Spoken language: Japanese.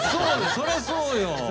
そりゃそうよ！